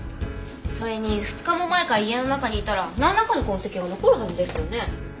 それに２日も前から家の中にいたらなんらかの痕跡が残るはずですよね？